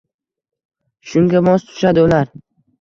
Shunga mos tushadi ular.